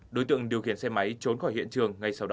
đối tượng điều khiển xe máy trốn khỏi hiện trường ngay sau đó